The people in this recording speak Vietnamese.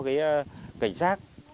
cái cảnh sát